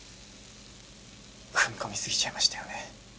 踏み込みすぎちゃいましたよね。